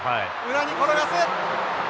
裏に転がす。